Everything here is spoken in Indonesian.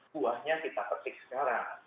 buahnya kita persepsi sekarang